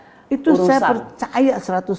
itu saya percaya